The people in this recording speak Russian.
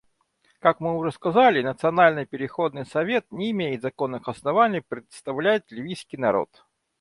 Как мы уже сказали, Национальный переходный совет не имеет законных оснований представлять ливийский народ.